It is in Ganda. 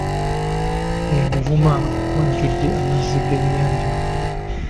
E Buvuma wajjudde amazzi g’ennyanja.